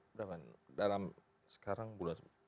berapa dalam sekarang bulan